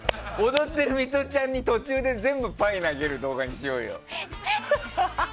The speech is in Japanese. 踊ってるミトちゃんに最後パイ投げる動画にしようよ。